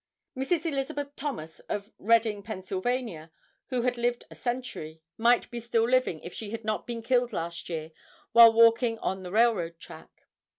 Mrs. Elizabeth Thomas, of Reading, Penn., who had lived a century, might be still living if she had not been killed last year, while walking on the railroad track.